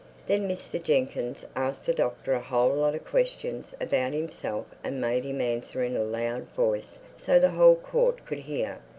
Then Mr. Jenkyns asked the Doctor a whole lot of questions about himself and made him answer in a loud voice so the whole court could hear.